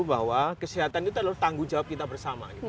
bahwa kesehatan itu adalah tanggung jawab kita bersama